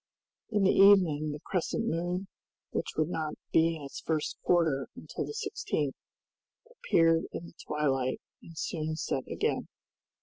In the evening the crescent moon, which would not be in its first quarter until the 16th, appeared in the twilight and soon set again.